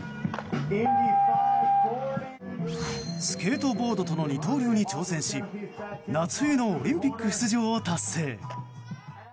スケートボードとの二刀流に挑戦し夏冬のオリンピック出場を達成。